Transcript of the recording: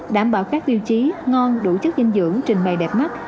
đảm bảo các tiêu chí ngon đủ chất dinh dưỡng trình bày đẹp mắt